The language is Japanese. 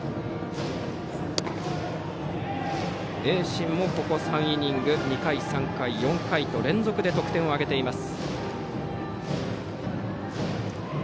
盈進もここ３イニング２回、３回、４回と連続で得点を挙げています。